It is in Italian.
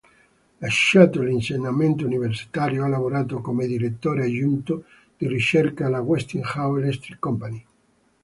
Lasciato l'insegnamento universitario, ha lavorato come direttore aggiunto di ricerca alla Westinghouse Electric Company.